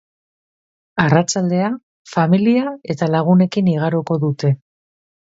Arratsaldea, familia eta lagunekin igaroko dute.